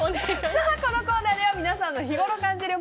このコーナーでは皆さんの日ごろ感じる